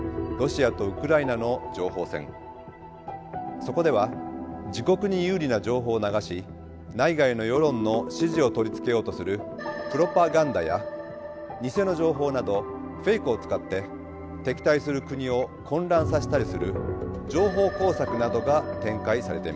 そこでは自国に有利な情報を流し内外の世論の支持を取り付けようとするプロパガンダや偽の情報などフェイクを使って敵対する国を混乱させたりする情報工作などが展開されています。